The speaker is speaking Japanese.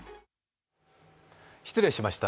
失礼しました。